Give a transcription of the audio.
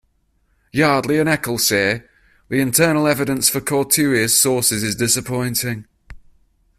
Yardley and Heckel say: The internal evidence for Curtius' sources is disappointing.